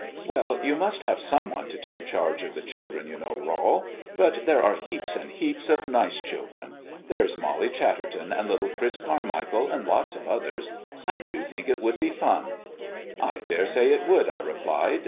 "Well, you must have some one to take charge of the children, you know, Rol. But there are heaps and heaps of nice children. There's Molly Chatterton, and little Chris Carmichael, and lots of others. I do think it would be fun." "I daresay it would," I replied.